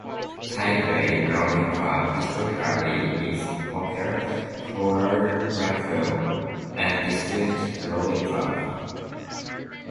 A Tideway rowing club, historically it was Poplar, Blackwall and District Rowing Club.